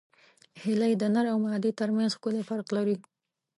هیلۍ د نر او مادې ترمنځ ښکلی فرق لري